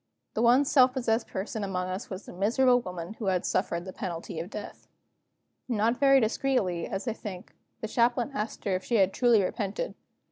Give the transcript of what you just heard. The one self possessed person among us was the miserable woman who suffered the penalty of death. Not very discreetly, as I think, the Chaplain asked her if she had truly repented.